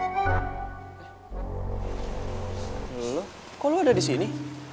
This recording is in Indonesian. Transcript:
lo kok lo ada di sini